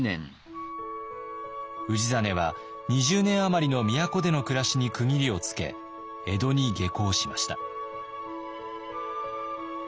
氏真は２０年余りの都での暮らしに区切りをつけ江戸に下向しました。